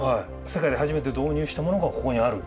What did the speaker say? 世界で初めて導入したものがここにある。